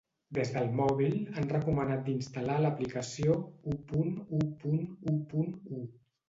Des del mòbil, han recomanat d’instal·lar l’aplicació u punt u punt u punt u.